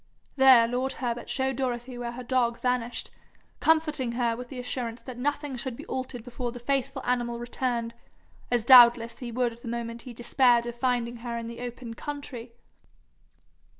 There lord Herbert showed Dorothy where her dog vanished, comforting her with the assurance that nothing should be altered before the faithful animal returned, as doubtless he would the moment he despaired of finding her in the open country.